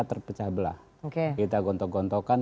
terpecah belah kita gontok gontokan